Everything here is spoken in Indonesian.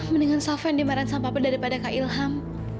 mendingan sava yang dimarahin sama papa daripada kak ilham